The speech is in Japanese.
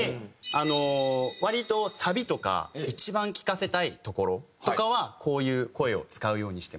割とサビとか一番聴かせたいところとかはこういう声を使うようにしてます。